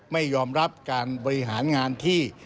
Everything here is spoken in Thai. ไม่ยอมรับการบริหารงานที่